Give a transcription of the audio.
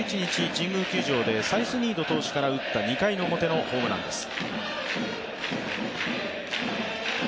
神宮球場でサイスニード投手から打った２回の表のホームランです。